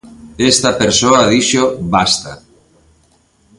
Esta persoa dixo basta!